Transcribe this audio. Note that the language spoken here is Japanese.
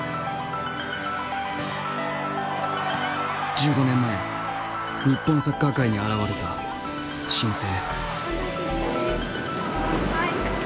１５年前日本サッカー界に現れた新星。